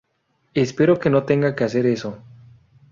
Espero que no tenga que hacer eso.